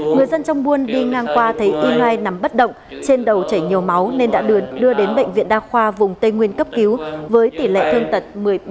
người dân trong buôn đi ngang qua thấy yai nằm bất động trên đầu chảy nhiều máu nên đã đưa đến bệnh viện đa khoa vùng tây nguyên cấp cứu với tỷ lệ thương tật một mươi ba